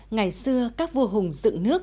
ngày xưa các vua hùng dựng nước